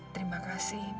terima kasih ibu